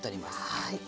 はい。